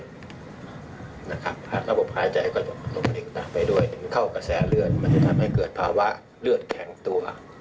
หากระบบหายใจก็ลงไปด้วยเข้ากระแสเลือดมันจะทำให้เกิดภาวะเลือดแข็งตัว